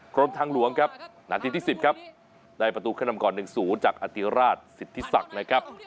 กรมทางหลวงครับหน้าที่ที่สิบครับได้ประตูเครื่องทำก่อนหนึ่งศูนย์จากอติราชสิทธิศักดิ์นะครับ